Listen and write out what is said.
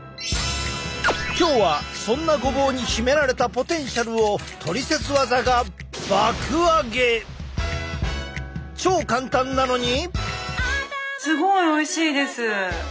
今日はそんなごぼうに秘められたポテンシャルをトリセツ技が超簡単なのに！